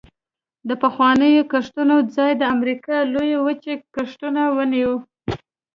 د پخوانیو کښتونو ځای د امریکا لویې وچې کښتونو ونیو